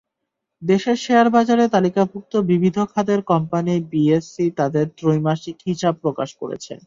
দেশের শেয়ারবাজারে তালিকাভুক্ত বিবিধ খাতের কোম্পানি বিএসসি তাদের ত্রৈমাসিক হিসাব প্রকাশ করেছে।